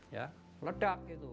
ya ledak itu